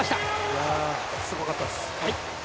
いや、すごかったです。